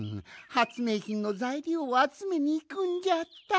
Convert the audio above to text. はつめいひんのざいりょうをあつめにいくんじゃった！